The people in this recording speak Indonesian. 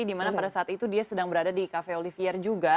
dimana pada saat itu dia sedang berada di cafe olivier juga